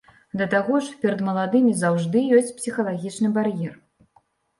Да таго ж, перад маладымі заўжды ёсць псіхалагічны бар'ер.